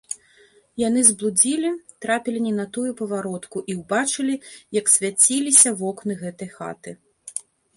Яны зблудзілі, трапілі не на тую паваротку і ўбачылі, як свяціліся вокны гэтай хаты.